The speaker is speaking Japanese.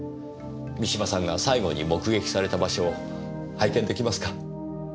三島さんが最後に目撃された場所を拝見出来ますか？